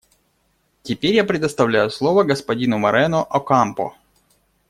Теперь я предоставляю слово господину Морено Окампо.